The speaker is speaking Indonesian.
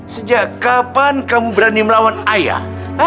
sejak kapan kamu berani melawan ayah